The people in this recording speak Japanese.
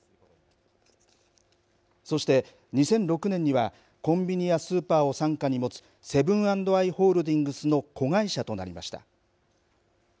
そして２００６年にはコンビニやスーパーを傘下に持つセブン＆アイ・ホールディングスの子会社となりました。